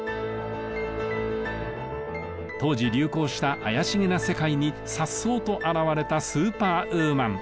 当時流行した怪しげな世界にさっそうと現れたスーパーウーマン。